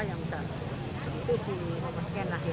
yang bisa sebut si mas kenah